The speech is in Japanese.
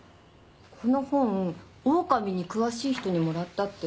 この本オオカミに詳しい人にもらったって。